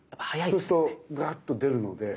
そうするとザーッと出るので。